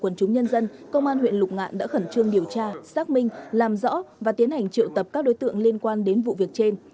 quân chúng nhân dân công an huyện lục ngạn đã khẩn trương điều tra xác minh làm rõ và tiến hành triệu tập các đối tượng liên quan đến vụ việc trên